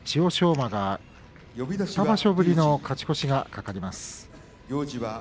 馬が２場所ぶりの勝ち越しが懸かります。